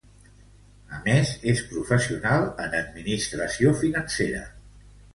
A més, és professional en administració financera.